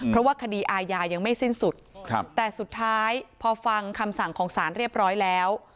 เพราะว่าคดีอาญายังไม่สิ้นสุดแต่สุดท้ายพอฟังคำสั่งของสารเรียบร้อยแล้ว